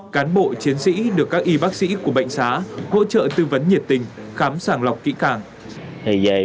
cán bộ chiến sĩ được các y bác sĩ của bệnh xá hỗ trợ tư vấn nhiệt tình khám sàng lọc kỹ càng